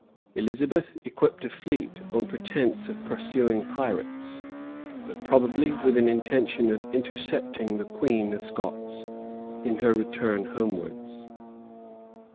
Elizabeth equipped a fleet on pretence of pursuing pirates, but probably with an intention of intercepting the queen of Scots in her return homewards.